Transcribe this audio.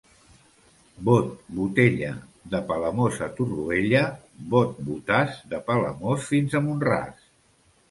Bot, botella, de Palamós a Torroella; bot, botàs, de Palamós fins a Mont-ras.